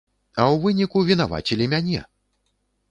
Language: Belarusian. А ў выніку вінавацілі мяне!